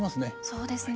そうですね。